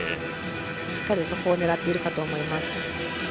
しっかりそこを狙っているかと思います。